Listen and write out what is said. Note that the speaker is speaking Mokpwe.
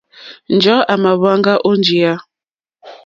Njɔ̀ɔ́ à mà hwáŋgá ó njìyá.